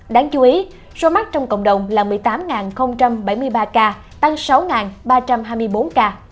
đáng chú ý số mắc trong cộng đồng là một mươi tám bảy mươi ba ca tăng sáu ba trăm hai mươi bốn ca